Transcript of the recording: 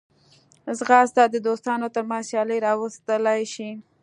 ځغاسته د دوستانو ترمنځ سیالي راوستلی شي